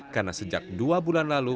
karena sejak dua bulan lalu